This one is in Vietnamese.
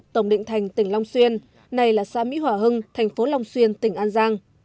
tổng định thành tỉnh long xuyên này là xã mỹ hòa hưng thành phố long xuyên tỉnh an giang